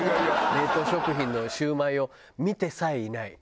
冷凍食品のシュウマイを見てさえいない。